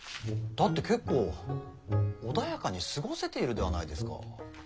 だって結構穏やかに過ごせているではないですか。